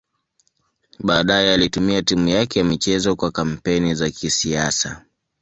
Baadaye alitumia timu yake ya michezo kwa kampeni za kisiasa.